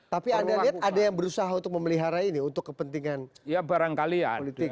tapi anda lihat ada yang berusaha untuk memelihara ini untuk kepentingan barangkali ya